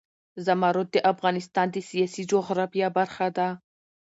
زمرد د افغانستان د سیاسي جغرافیه برخه ده.